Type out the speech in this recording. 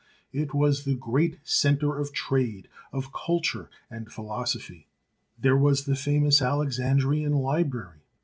It was the great centre of trade, of culture and philosophy. There was the famous Alexandrian library.